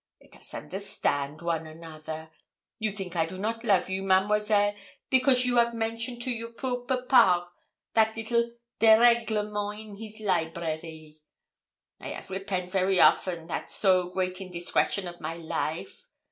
Let us understand one another. You think I do not love you, Mademoiselle, because you have mentioned to your poor papa that little dérèglement in his library. I have repent very often that so great indiscretion of my life.